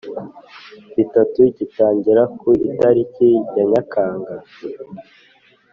Bitatu gitangira ku itariki ya nyakanga